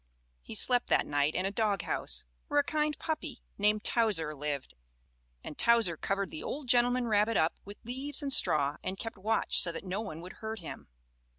He slept that night in a doghouse, where a kind puppy named Towser lived, and Towser covered the old gentleman rabbit up with leaves and straw and kept watch so that no one would hurt him.